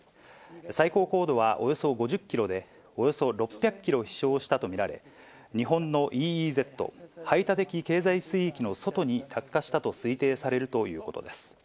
最高高度はおよそ５０キロで、およそ６００キロ飛しょうしたと見られ、日本のＥＥＺ・排他的経済水域の外に落下したと推定されるということです。